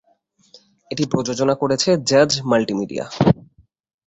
এটি প্রযোজনা করেছে জাজ মাল্টিমিডিয়া।